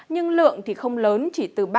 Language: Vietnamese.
nhưng lượng thì không lớn chỉ từ ba